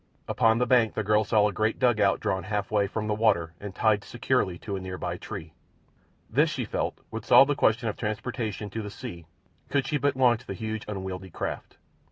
Upon the bank the girl saw a great dugout drawn half way from the water and tied securely to a near by tree. This, she felt, would solve the question of transportation to the sea could she but launch the huge, unwieldy craft.